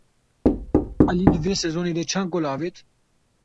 Elî di vê sezonê de çend gol avêt?